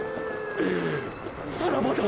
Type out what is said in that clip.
さらばだ！